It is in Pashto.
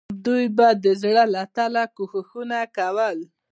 دوی به د زړه له تله کوښښونه کول.